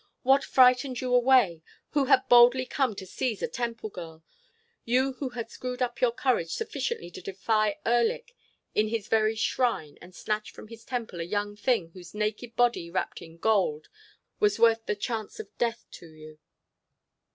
—What frightened you away—who had boldly come to seize a temple girl—you who had screwed up your courage sufficiently to defy Erlik in his very shrine and snatch from his temple a young thing whose naked body wrapped in gold was worth the chance of death to you?"